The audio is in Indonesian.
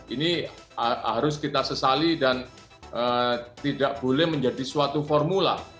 ini harus kita sesali dan tidak boleh menjadi suatu formula